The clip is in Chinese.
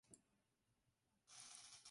获释后经中国逃离朝鲜。